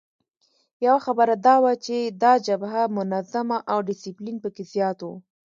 یوه خبره دا وه چې دا جبهه منظمه او ډسپلین پکې زیات وو.